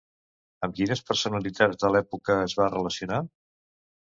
Amb quines personalitats de l'època es va relacionar?